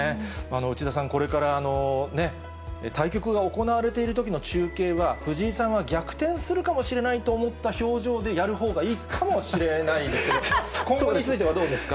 内田さん、これから対局が行われているときの中継は、藤井さんは逆転するかもしれないと思った表情でやるほうがいいかもしれないですけど、今後についてはどうですか。